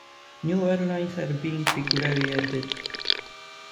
New airlines are being regularly added.